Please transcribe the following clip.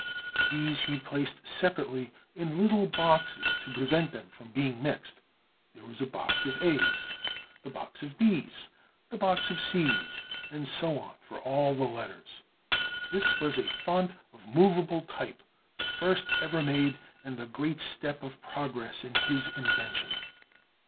These he placed separately in little boxes to prevent them from being mixed. There was the box of A's, the box of B's, the box of C's, and so on for all the letters. This was a font of movable type, the first ever made, and the great step of progress in his invention.